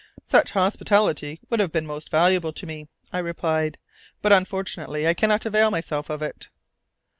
"Such hospitality would have been most valuable to me," I replied, "but unfortunately I cannot avail myself of it."